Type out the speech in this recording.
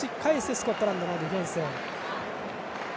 スコットランドのディフェンス。